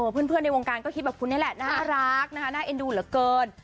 เพื่อนในวงการก็คิดแบบคุณนี่แหละน่ารักนะคะน่าเอ็นดูเหลือเกิน